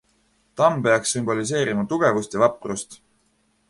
Tamm peaks sümboliseerima tugevust ja vaprust.